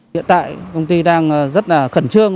hiện tại công ty đang rất là khẩn trương